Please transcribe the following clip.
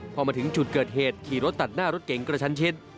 พอมาถึงจุดเกิดเหตุขี่รถตัดหน้ารถเก๋งกระชันชิด